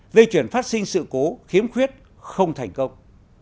dây chuyển phát sinh sự cố khiếm khuyết không thành công